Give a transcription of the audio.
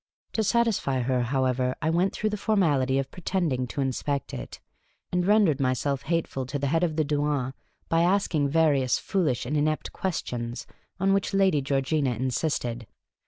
To satisfy her, however, I went through the formality of pretending to inspect it, and rendered myself hateful to the head of the douane by asking various foolish and inept questions, on which lyady Georgina insisted.